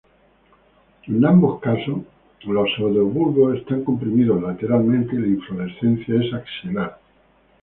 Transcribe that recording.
En ambos casos, los pseudobulbos están comprimidos lateralmente y la inflorescencia es axilar.